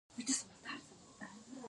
اوړي د افغانانو د فرهنګي پیژندنې برخه ده.